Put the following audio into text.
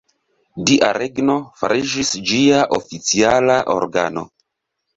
Dia Regno fariĝis ĝia oficiala organo.